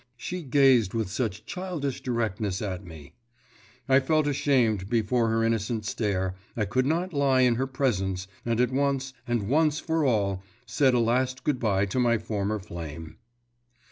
She gazed with such childish directness at me.… I felt ashamed before her innocent stare, I could not lie in her presence, and at once, and once for all, said a last good bye to my former flame.